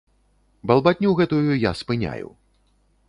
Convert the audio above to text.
Балбатню гэтую я спыняю.